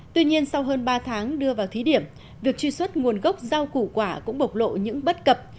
tuy nhiên sau hơn ba tháng đưa vào thí điểm việc truy xuất nguồn gốc rau củ quả cũng bộc lộ những bất cập